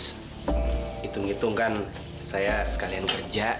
hitung hitung kan saya sekalian kerja